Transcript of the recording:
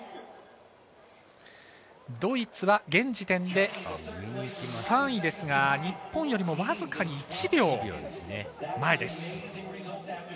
ドイツは現時点で３位ですが日本よりも僅かに１秒前です。